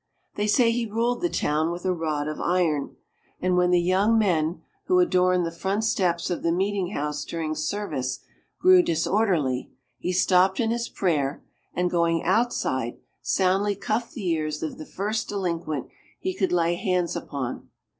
They say he ruled the town with a rod of iron; and when the young men, who adorned the front steps of the meetinghouse during service, grew disorderly, he stopped in his prayer, and going outside soundly cuffed the ears of the first delinquent he could lay hands upon.